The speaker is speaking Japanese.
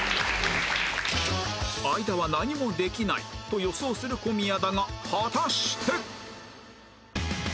相田は何もできないと予想する小宮だが果たして？